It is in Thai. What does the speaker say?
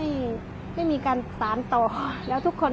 สวัสดีครับทุกคน